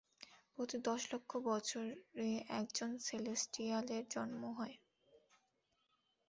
প্রতি দশ লক্ষ বছরে একজন সেলেস্টিয়ালের জন্ম হয়।